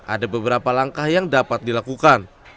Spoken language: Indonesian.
ada beberapa langkah yang dapat dilakukan